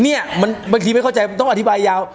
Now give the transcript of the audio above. เนี่ยบางทีไม่เข้าใจต้องอธิบายยาว